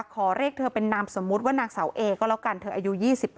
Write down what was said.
ขอเรียกเธอเป็นนามสมมุติว่านางสาวเอก็แล้วกันเธออายุ๒๖